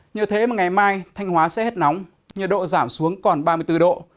nhờ thế mà ngày mai thanh hóa sẽ hết nóng nhiệt độ giảm xuống còn ba mươi bốn độ